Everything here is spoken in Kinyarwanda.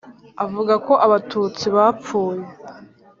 Avuga ko Abatutsi bapfuye